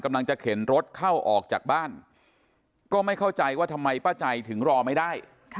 กำลังจะเข็นรถเข้าออกจากบ้านก็ไม่เข้าใจว่าทำไมป้าใจถึงรอไม่ได้